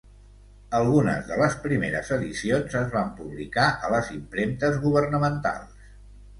Algunes de les primeres edicions es van publicar a les impremtes governamentals.